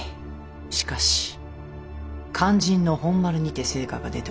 しかし肝心の本丸にて成果が出ておらぬ。